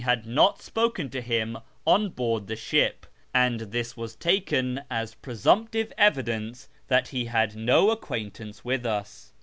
had not spoken to liim on board the ship, and this was taken as presumptive evidence that he had no acquaintance with us.